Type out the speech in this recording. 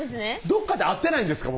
どっかで会ってないんですか？